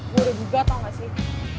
gue udah juga tau gak sih